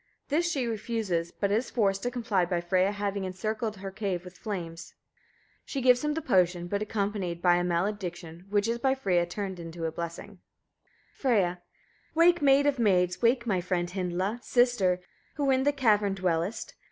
This she refuses, but is forced to comply by Freyia having encircled her cave with flames. She gives him the potion, but accompanied by a malediction, which is by Freyia turned to a blessing. Freyia. 1. Wake, maid of maids! Wake, my friend! Hyndla! Sister! who in the cavern dwellest.